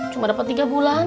cuma dapat tiga bulan